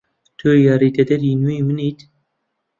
تۆ یاریدەدەری نوێی منیت.